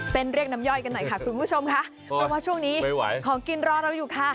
เรียกน้ำย่อยกันหน่อยค่ะคุณผู้ชมค่ะเพราะว่าช่วงนี้ไม่ไหวของกินรอเราอยู่ค่ะ